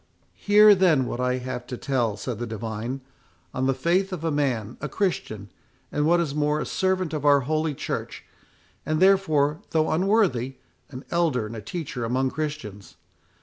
"Hear, then, what I have to tell," said the divine, "on the faith of a man, a Christian, and, what is more, a servant of our Holy Church; and, therefore, though unworthy, an elder and a teacher among Christians.